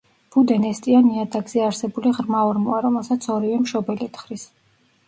ბუდე ნესტიან ნიადაგზე არსებული ღრმა ორმოა, რომელსაც ორივე მშობელი თხრის.